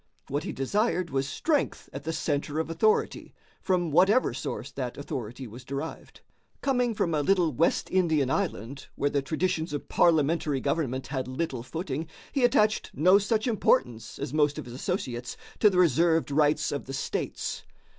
What he desired was strength at the centre of authority, from whatever source that authority was derived. Coming from a little West Indian island where the traditions of parliamentary government had little footing, he attached no such importance as most of his associates to the reserved rights of the states.